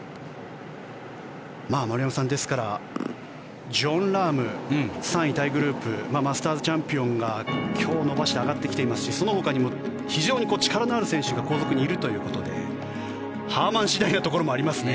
丸山さん、ですからジョン・ラーム３位タイグループマスターズチャンピオンが今日伸ばして上がってきていますしそのほかにも非常に力のある選手が後続にいるということでハーマン次第なところもありますね。